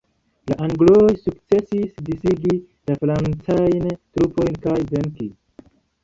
La angloj sukcesis disigi la francajn trupojn kaj venki.